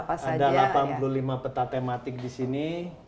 ada delapan puluh lima peta tematik di sini